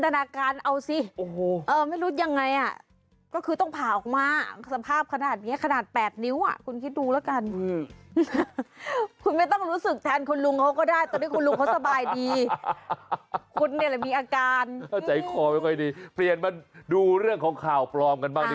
ตัวนั้นที่อยู่ในภาพ